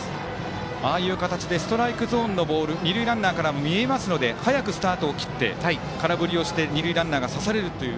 ああいう形でストライクゾーンのボール二塁ランナーから見えるので早くスタートを切って空振りをして二塁ランナーが刺されるという。